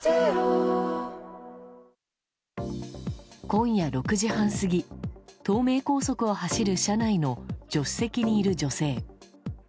今夜６時半過ぎ東名高速を走る車内の助手席にいる女性。